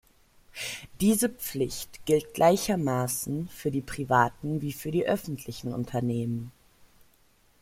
Diese Pflicht gilt gleichermaßen für die privaten wie für die öffentlichen Unternehmen.